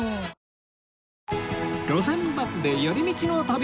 『路線バスで寄り道の旅』